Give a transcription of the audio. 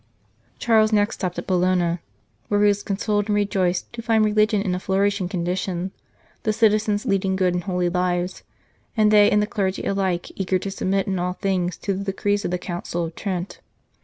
Charles next stopped at Bologna, where he was consoled and rejoiced to find religion in a flourish ing condition, the citizens leading good and holy lives, and they and the clergy alike eager to submit in all things to the decrees of the Council of Trent.